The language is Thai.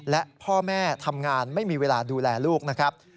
และพ่อแม่ทำงานไม่มีเวลาดูแลลูกนะครับ